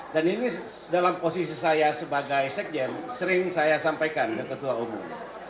dan ini dalam posisi saya sebagai sekjen sering saya sampaikan ke ketua umum